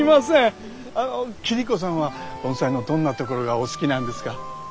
桐子さんは盆栽のどんなところがお好きなんですか？